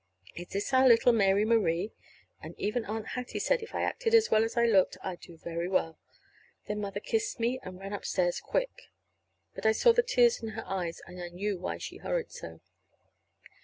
Is this our little Mary Marie?" And even Aunt Hattie said if I acted as well as I looked I'd do very well. Then Mother kissed me and ran upstairs quick. But I saw the tears in her eyes, and I knew why she hurried so.